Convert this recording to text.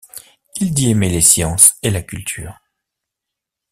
Il dit aimer les sciences et la culture.